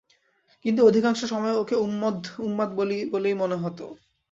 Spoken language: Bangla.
কিন্তু অধিকাংশ সময় ওকে উন্মাদ বলেই মনে হত।